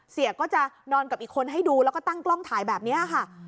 เสียก็จะนอนกับอีกคนให้ดูแล้วก็ตั้งกล้องถ่ายแบบนี้ค่ะ